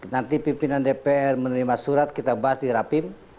nanti pimpinan dpr menerima surat kita bahas di rapim